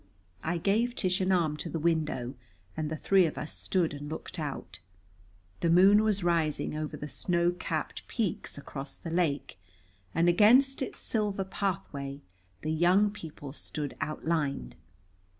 I gave Tish an arm to the window, and the three of us stood and looked out. The moon was rising over the snow capped peaks across the lake, and against its silver pathway the young people stood outlined.